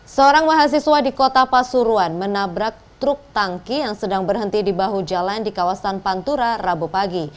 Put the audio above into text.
seorang mahasiswa di kota pasuruan menabrak truk tangki yang sedang berhenti di bahu jalan di kawasan pantura rabu pagi